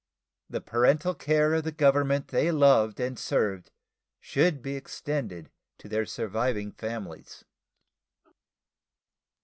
The parental care of the Government they loved and served should be extended to their surviving families.